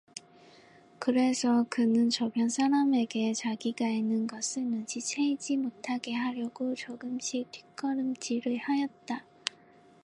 그래서 그는 저편 사람에게 자기가 있는 것을 눈치채이지 못하게 하려고 조금씩 뒷걸음질을 하였다.